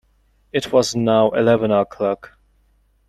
It was now eleven o'clock.